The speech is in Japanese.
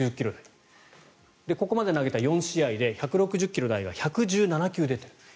ここまで投げた４試合で１６０ｋｍ台が１１７球出ている。